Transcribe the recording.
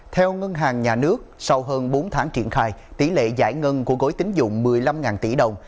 theo ngân hàng nhà nước sau hơn bốn tháng triển khai tỷ lệ giải ngân của gối tính dụng một mươi năm tỷ đồng